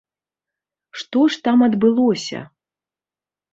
Што ж там адбылося?